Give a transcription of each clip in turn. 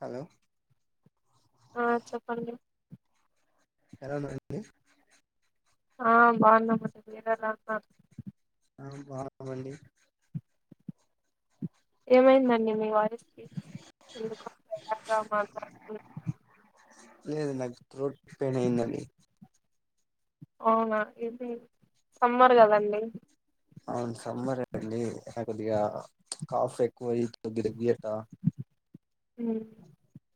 Hello ఆ చెప్పండి ఎలా ఉన్నారండి ఆ బాగున్నామండి మీరు ఎలా ఉన్నారు ఆ బాగున్నామండి ఏమైందండి మీ వాయిస్కి ఎందుకో ఎలాగా మాట్లాడుతున్నారు లేదు నాకు త్రోట్ పెయిన్ అయిందండి అవునా ఇది సమ్మర్ కదండి అవును సమ్మర్ అ అడికద్ కాఫ్ ఎక్కువ ఇ గ బియటా మ్మ్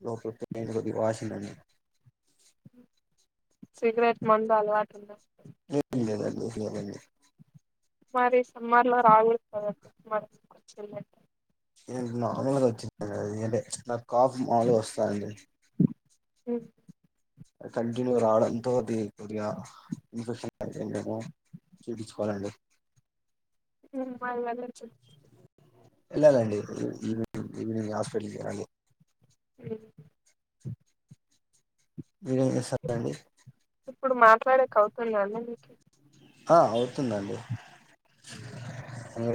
లోపల పెయిన్ కొద్దిగా వాసిందండి సిగరెట్ మందు అలవాటు ఉంద ఏంలేదండి లేదండి స మరి సమ్మార్లా రాగులు పదు [inaudible] నేను నార్మల్గా వచ్చిందండి అది అంటే నాకు కాఫ్ మాములుగా వస్తాదండి మ్మ్ కంటిన్యూ రావడంతోది కొద్దిగా ఇన్ఫెక్షన్ అయింది చూపంచుకోవాలండి ఉ మల్ల వెళ్ళండి ఇలాలండి ఈవినింగ్ ఈవినింగ్ హాస్పిటల్ కి వెళ్ళాలి హు మీరేం చేస్తారు అండి ఇప్పుడు మాట్లాడేక అవుతుందా అండి మీకు ఆ అవు తుందండి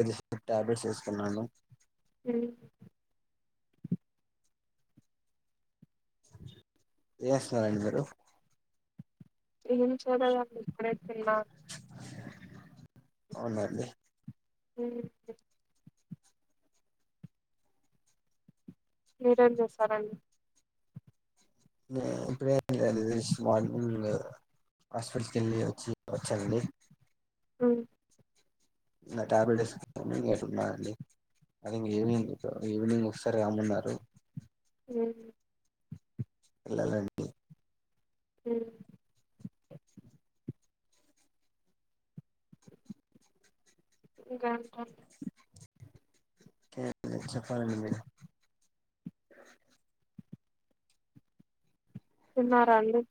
అది టాబ్లెట్స్ వేసుకున్నాను హు ఎస్ నారాయణగారు ఏం చూడాలండి ఇక్కడే తిన్నాను అవునండి ఉహు మీరం చేస్తారండి ఇప్పుడే మార్నింగ్ హాస్పిటల్కి వెళ్ళి వచ్చి వచ్చానండి ఉ నా టాబ్లెట్ ఇంన్నాండి అది ఇం ఈవినింగ్ ఈవినింగ్ ఒకసారి రమ్మన్నారు హు పిల్లలండి హు గంట కే చెప్పరలు మీ తిన్నారండి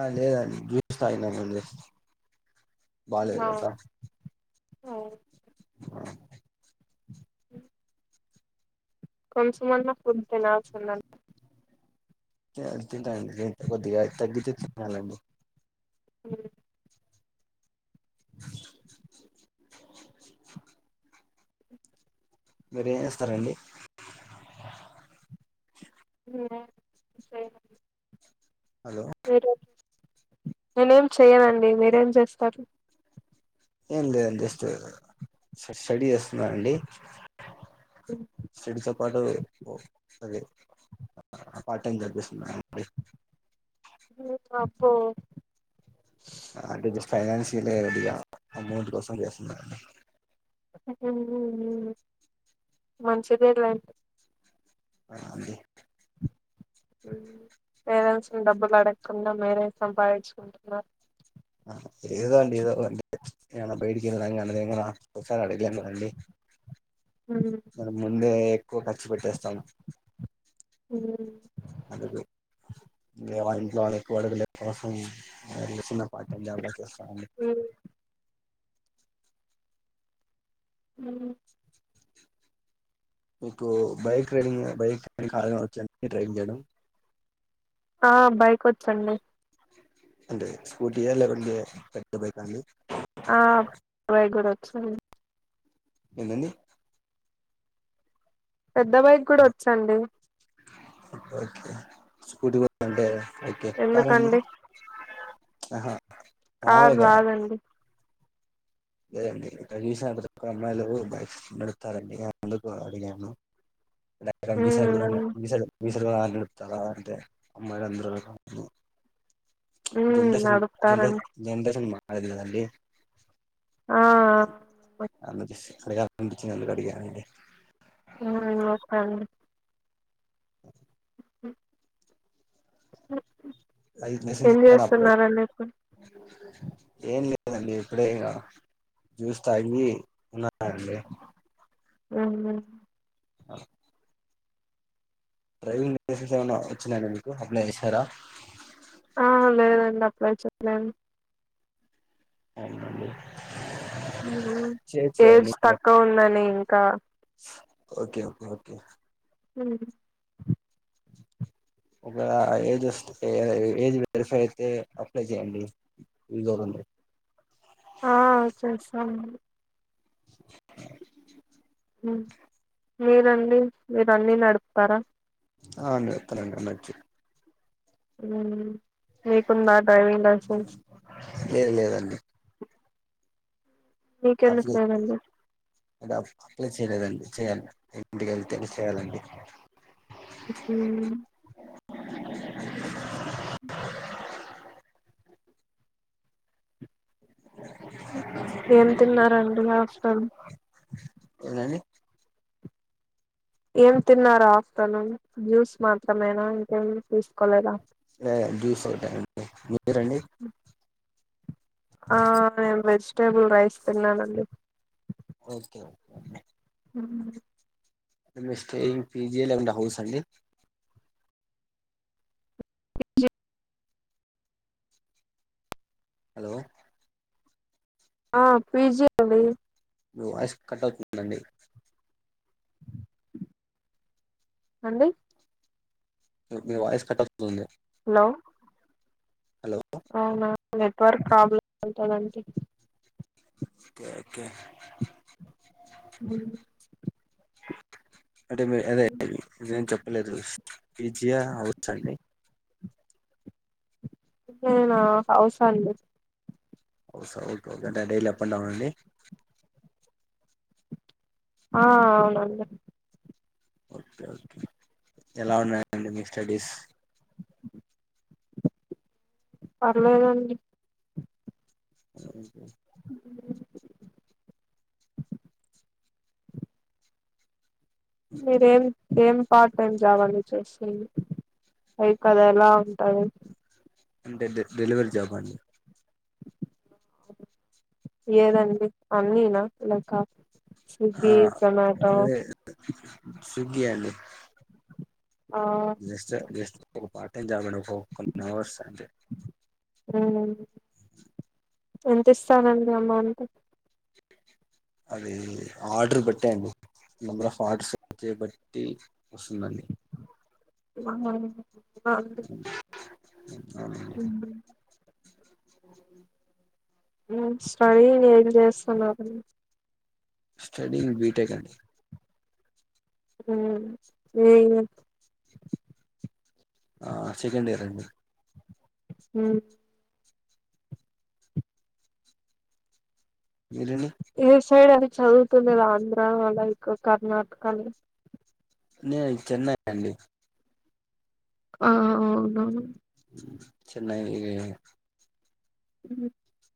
ఆ లేదండి జ్యూస్ తాగినానండి బాలేద కదా అవును [unintelligible] కొంచమన్న ఫుడ్ తినాల్సి ఉంది ఆ తింటానండి కొద్దిగా తగ్గించి తింటాను అ బిర్యానీ ఇస్తారండి ఉ హలో మీరు నేనేం చెయ్యనండి మీరేం చేస్తారు ఏం లేదుండి జస్ట్ స్టడీ చేస్తున్నానండి స్టడీస్ తో పాటు అదే పార్ట్ టైమ్ జాబ్ చేస్తున్నానండి ఓ అబ్బో అంటే ఫైనాన్షిల్ గా రెడి గావాల అమౌంట్ కోసం మంచిదే లేండి ఆ అండి పేరెంట్స్ ని డబ్బులు అడగకుండా మీరే సంపాదించుకుంటున్నారు ఏదో అండి ఏదో ఏమన్న బయటికి ఎళ్లిన అందరిని ఒకసారి అడగలేము కద అండి. మరి ముందే ఎక్కువ ఖర్చు పెట్టేస్తాను అడుగు ఏమొ ఇంట్లో అడగ కూడదులే ప్రస్తుతం నిల్ చిన్న పార్ట్ టైం జాబ్ లా చేస్తానండి మ్ మీకు బైక్ రైడింగ్ బైక్ కార్ గాని వచ్చా అండి. డ్రైవింగ్ చేయడం. ఆ బైక్ వచ్చండి అంటే స్కూటీ యా లేకుంటే పెద్ద బైక్ అండి ఆ బైక్ గూడ వ సరే ఎందండి పెద్ద బైక్ కూడ వచ్చండి ఓకే స్కూటీ పోతాదంటే ఓకే కారండి ఎందుకండి ఆహా కార్ మాములుగా రాదండి లేదండి కనీసం ప్రతి ఒక్కరు అమ్మాయిలు బైక్ నడుపుతారండి అందుకు అడిగాను రవి సార్ గూడ ఉమ్ నడ్ [unintelligible] అందరు కార్ నడుపుతా అంటే అమ్మాయిలు అందరు కార్ ఉమ్ జనరేషన్ నడుపుతారండి జనరేష జనరేషన్ మర్ అది గాదండి ఆ అ జెసి అడగాలనిపించింది అందుకు అడిగానండి. నువ్వు నేను వస్తాను అ [unintelligible] హ్మ్ ఓ [inaudible] అది మెసేజీంగ్ గాని అప్లై ఇప్పుడు ఏం లేదండి ఇప్పుడే ఇగ జూస్ తాగి ఉన్నానండి. హు హు అ డ్రైవింగ్ లైసెన్స్ ఏమైనా వచ్చినాయ అండి. మీకు అప్లై చేశారా వాళ్ళు చెప్పినన్ అవునండి ఊహు చేయొచ్చు కదండి ఏజ్ తక్కువ ఉందని ఇంకా ఓకే ఓకే ఓకే హ ఒక ఏజ్ వస్తే ఏజ్ వెరిఫై అయితే అప్లై చేయండి [unintelligible] ఆ చేస్తాము మీరండి మీరున్ని నడుపుతారా ఆ నడుపుతానండి అన్నొచ్చు ఉ మీకుందా డ్రైవింగ్ లైసెన్స్ లేదు లేదండి మీకెందుకు అప్లి లేదండి నేడ అప్లి చేయలేదండి చేయాలి ఇంటికి ఎళ్తే చేయ్యాలండి ఊ ఏం తిన్నారండి ఆఫ్ టైం ఏనండి ఏం తిన్నారా అఫ్టర్నూన్ జ్యూస్ మాత్రమేనా ఇంకేం తీసుకోలేదా లేదు జ్యూస్ ఒకటె అండి మీరండి ఆ నేను వెజ్ టేబుల్ రైస్ తిన్నానండి ఓకే ఓకే అంటే మీరు స్టేయింగ్ పీజి యా లేకుంటే హౌసా అండి హలో ఆ పిజి అండి మీ వాయిస్ కట్ అవుతుందండి అండి మీ వాయిస్ కట్ వుతుంది హలో అవునా నెట్వర్క్ ప్రాబ్లం ఉంటది అంటి ఓకే ఒకే అ అంటే మీరు అదె నేను చెప్పలేదు పీజీ యా హౌచ్ ఆ అండి నేనా హౌస్ అండి హౌసా ఒకే ఒకే డ డైలీ అప్ అండ్ డౌనా అండి ఆ అవునండి ఓకే ఓకే ఎలా ఉన్నాయండి మీ స్టడీస్ పర్లేేదండి [unintelligible] అ మీరేవి ఏం పార్ట్ టైమ్ జాబ్ ఆ నువ్వు చేస్తుంది పైకి అదోలా ఉంటది. అంటే డె డెలివరీ జాబ్ అండి. ఏదండి అన్నీనా లెక్క ఆ స్విగ్గీ జోమాటో అదే స్విగ్గీ అండి ఆ జస్ట్ జస్ట్ ఫర్ పాట్ ఎంజాయ్ గున్నావ్ పో కొన్ని అవర్స్ అంతే ఉమ్మ్ ఎంత ఇస్తారండి అమౌంట్ అది ఆర్డర్ బట్టేఅండి నెంబర్ ఆఫ్ ఆర్డర్స్ వచే బట్టి వస్తుందండి [unintelligible] బాగుంది అ మమ్మీ అఓ రూమ్ స్టడీ ఏం చేస్తున్నారు స్టడీంగ్ బీటెక్ అండి ఉమ్ నేను ఆ సెకండ్ ఇయర్ అండి ఉమ్మ్ మీరండి ఏదో సైడ్ అవి చదువుతున్నది ఆంధ్ర లైక్ కర్ణాటక న నేను చెన్నై అండి ఆ అవునవును చెన్నై [unintelligible] ఉ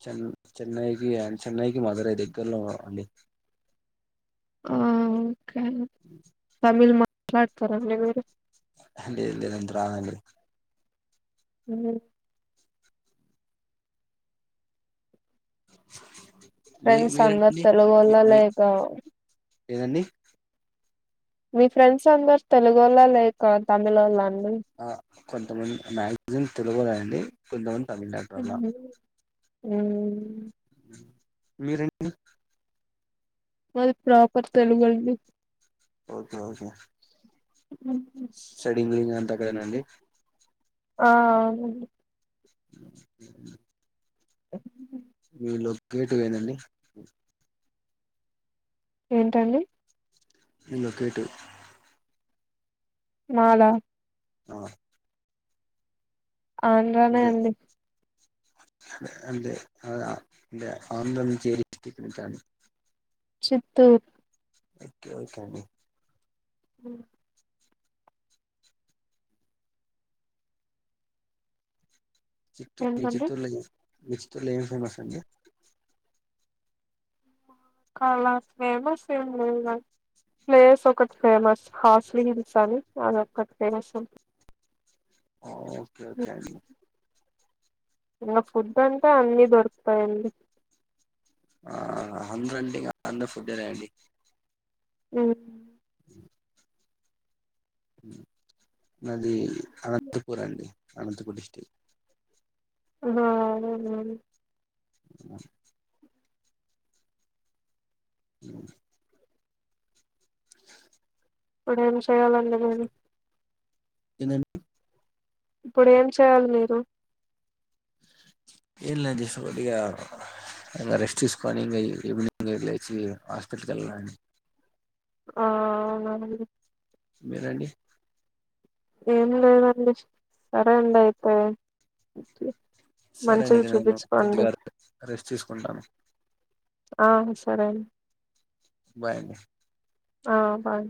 చె చెన్నైకి చెన్నైకి మధురై దగ్గరలో అండి ఉమ్మ్ తమిళ్ మ త [unintelligible] మీరు లేదు లేదు అండి రానుఅండి. [unintelligible] మీ ఫ్రెండ్స్ అందరు మీరండి తెలుగోల్లా లేక ఏదండి మీ ఫ్రెండ్స్ అందరు తెలుగోల్ల లేక తమిల్లోళ్ల అండి ఆ కొంతమంది మ్యాగజిన్ తెలుగులోండి కొంతమంది తమిళనాటోళ్ళ అ మీరేం టి మాది ప్రాపర్ తెలుగండి ఓకే ఓకే ఉ స్టడీంగు ఎంతకైనదండి ఆ అవును హ మీ లో గేటు వేందండి. ఏంటండి ఇంలో గేటు మాల ఆ ఆంధ్రానే అండి. అదే అ అ ఆందోళం చేరిట్ట అండి చిత్తూర్ ఐతే ఓకే అండి. మ్ చిత్తూర్ ఏంటండి చిత్తూరు ల వస్తువులు ఏమి ఫేమస్ అండి. కాల ఫేమస్ ఏ ప్లేస్ ఏం లేదు గని, ప్లేస్ ఒకటి ఫేమస్ హాస్ హిల్స్ అని అదొకటి ఫేమస్ ఉంది. ఓకే ఓకే అండి. ఇంకా ఫుడ్ అంటే అన్ని దొరుకుతాయండి. ఆ అందర అండి ఇగ అందరు ఫుడ్డేనా అండి. ఉమ్ అది అనంత పూర్ అండి. అనంతపూర్ డిస్టిక్. ఓహో అదిదా అ ఉమ్ ఇప్పుడు ఏం చెయాలండి నేను ఏందం డి ఇప్పుడు ఏం చేయాలి మీరు? ఏం లే జస్ట్ కొద్దిగా, ఇక రెస్ట్ చేసుకోని ఇం ఈవనింగ్ లే లేచి హాస్పిటల్కి వెళ్లాలండీ. ఆవునా అండి. మీరండి? ఏం లేదండి, సరే అండి అయితే, ఒకే. సరే అండి నేను కొద్దిగాదు రెస్ట్ తీసుకుంటాను. ఆ సరే అండి. బాయ్ అండి. ఆ బాయ్.